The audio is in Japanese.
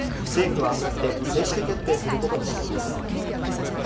政府はあさって、正式決定することにしています。